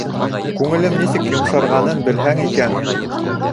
Күңелем нисек йомшарғанын белһәң икән.